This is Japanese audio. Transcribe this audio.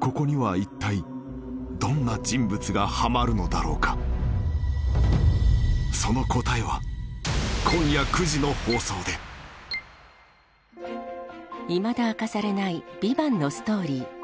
ここには一体どんな人物がはまるのだろうかその答えは今夜９時の放送でいまだ明かされない「ＶＩＶＡＮＴ」のストーリー